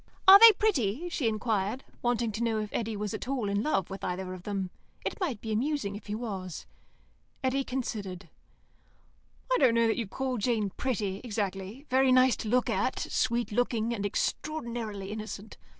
"Are they pretty?" she inquired, wanting to know if Eddy was at all in love with either of them. It might be amusing if he was. Eddy considered. "I don't know that you'd call Jane pretty, exactly. Very nice to look at. Sweet looking, and extraordinarily innocent."